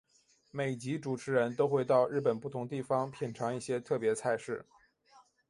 每集主持人都会到日本不同地方品尝一些特别菜式。